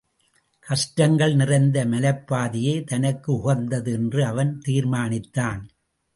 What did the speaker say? கஷ்டங்கள் நிறைந்த மலைப்பாதையே தனக்கு உகந்தது என்று அவன் தீர்மானித்தான்.